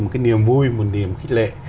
một cái niềm vui một niềm khích lệ